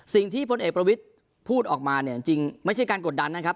พลเอกประวิทย์พูดออกมาเนี่ยจริงไม่ใช่การกดดันนะครับ